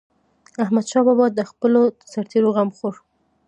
احمدشاه بابا به د خپلو سرتيرو غم خوړ.